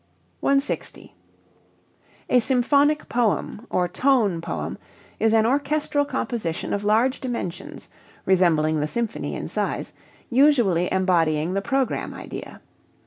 160. A symphonic poem (or tone poem) is an orchestral composition of large dimensions (resembling the symphony in size), usually embodying the program idea.